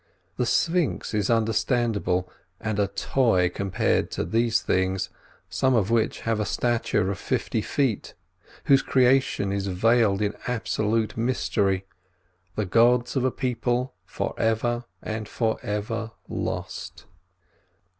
The sphinx is understandable and a toy compared to these things, some of which have a stature of fifty feet, whose creation is veiled in absolute mystery—the gods of a people for ever and for ever lost.